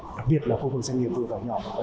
đặc biệt là khu vực doanh nghiệp vừa và nhỏ